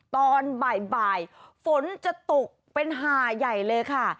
ตอนบ่ายฝนจะตกเป็นหาใหญ่เลยค่ะ